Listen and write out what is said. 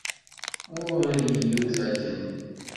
Ɣur-i yiwet akken.